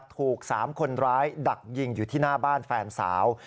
ถูก๓คนร้ายดักยิงอยู่ที่หน้าบ้านแฟนสาว